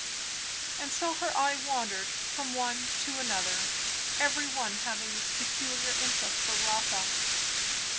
And so her eye wandered, from one to another, every one having its peculiar interest for Rotha.